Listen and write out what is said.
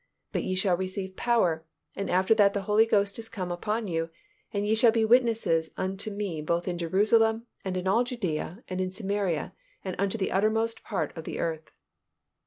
But ye shall receive power, after that the Holy Ghost is come upon you: and ye shall be witnesses unto Me both in Jerusalem, and in all Judea, and in Samaria, and unto the uttermost part of the earth."